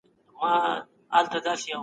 د لاس او پښو رګونو بندیدل د غوڅیدو سبب کېږي.